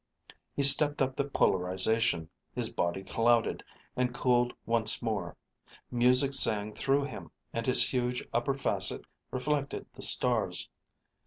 He stepped up the polarization, his body clouded, and cooled once more. Music sang through him, and his huge upper facet reflected the stars.